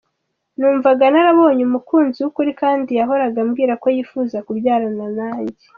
Numvaga narabonye umukunzi w’ukuri kandi yahoraga ambwira ko yifuza kubyarana nanjye.